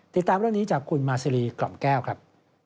ติดตามเรื่องนี้จากคุณมาซีรีกล่อมแก้วครับ